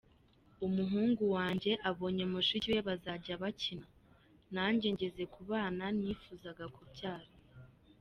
Umuhungu wanjye abonye mushiki we bazajya bakina, nanjye ngeze ku bana nifuzaga kubyara.